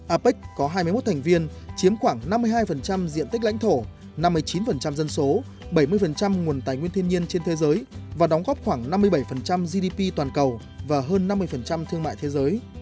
apec có hai mươi một thành viên chiếm khoảng năm mươi hai diện tích lãnh thổ năm mươi chín dân số bảy mươi nguồn tài nguyên thiên nhiên trên thế giới và đóng góp khoảng năm mươi bảy gdp toàn cầu và hơn năm mươi thương mại thế giới